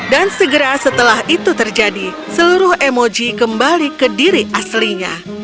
dan segera setelah itu terjadi seluruh emoji kembali ke diri aslinya